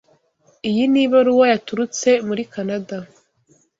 Iyi ni ibaruwa yaturutse muri Kanada.